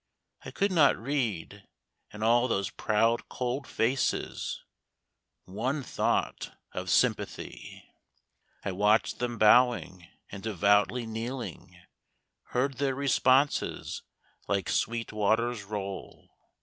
I could not read, in all those proud cold faces, One thought of sympathy. I watched them bowing and devoutly kneeling, Heard their responses like sweet waters roll.